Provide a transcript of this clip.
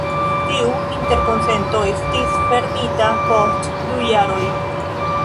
Tiu interkonsento estis fermita post du jaroj.